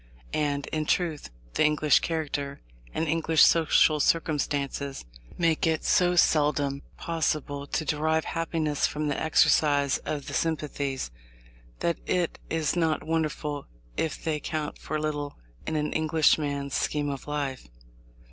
And, in truth, the English character, and English social circumstances, make it so seldom possible to derive happiness from the exercise of the sympathies, that it is not wonderful if they count for little in an Englishman's scheme of life.